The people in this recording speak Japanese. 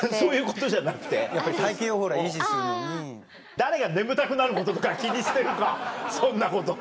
誰が眠たくなることとか気にしてるかそんなこと！